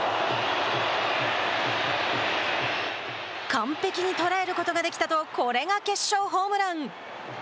完璧に捉えることができたとこれが決勝ホームラン。